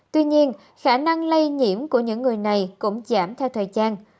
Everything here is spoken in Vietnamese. tuy nhiên khả năng lây nhiễm của những người này cũng giảm theo thời gian